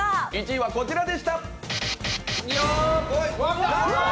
１位はこちらでした！